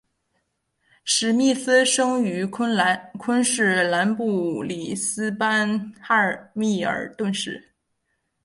史密斯生于昆士兰布里斯班哈密尔顿市。